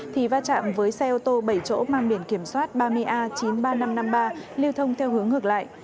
thì va chạm với xe ô tô bảy chỗ mang biển kiểm soát ba mươi a chín mươi ba nghìn năm trăm năm mươi ba liều thông theo hướng ngược lại